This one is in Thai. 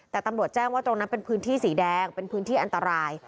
แต่ตำรวจแจ้งว่าตรงนั้นเป็นพื้นที่สีแดงเป็นพื้นที่อันตราย